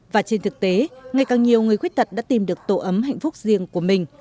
và trên thực tế ngày càng nhiều người khuyết tật đã tìm được tổ ấm hạnh phúc riêng của mình